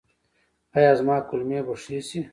ایا زما کولمې به ښې شي؟